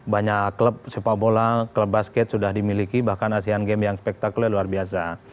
banyak klub sepak bola klub basket sudah dimiliki bahkan asian games yang spektakuler luar biasa